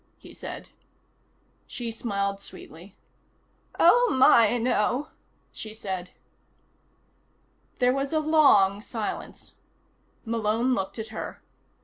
he said. She smiled sweetly. "Oh, my, no," she said. There was a long silence. Malone looked at her.